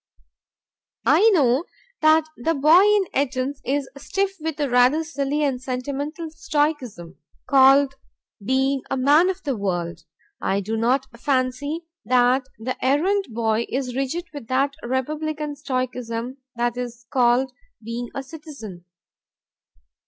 I know that the boy in "Etons" is stiff with a rather silly and sentimental stoicism, called being a man of the world. I do not fancy that the errand boy is rigid with that republican stoicism that is called being a citizen.